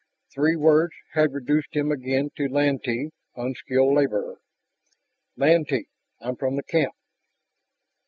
Three words had reduced him again to Lantee, unskilled laborer. "Lantee. I'm from the camp...."